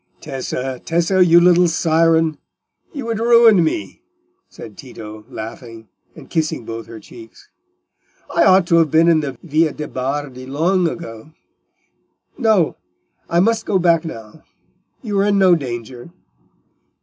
"Tessa, Tessa, you little siren, you would ruin me," said Tito, laughing, and kissing both her cheeks. "I ought to have been in the Via de' Bardi long ago. No! I must go back now; you are in no danger.